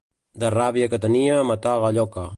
De ràbia que tenia, matà la lloca.